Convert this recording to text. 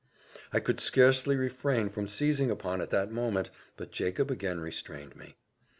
I could scarcely refrain from seizing upon it that moment, but Jacob again restrained me.